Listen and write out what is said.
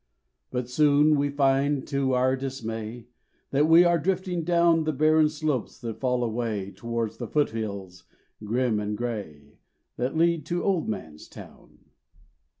But soon we find to our dismay That we are drifting down The barren slopes that fall away Towards the foothills grim and grey That lead to Old Man's Town.